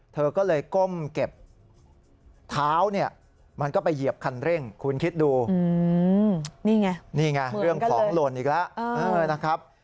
เธอก็เลยก้มเก็บเท้าเนี่ยมันก็ไปเหยียบคันเร่งคุณคิดดูนี่ไงนี่ไงเรื่องของหล่นอีกแล้วนะครับ